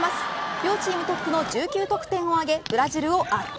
両チームトップの１９得点を挙げブラジルを圧倒。